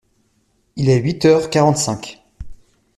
Il est huit heures quarante-cinq.